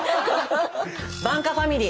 番家ファミリー。